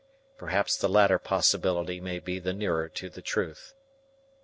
Perhaps the latter possibility may be the nearer to the truth.